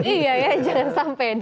iya ya jangan sampai